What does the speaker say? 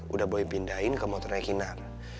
udah boy pindahin ke motornya kinar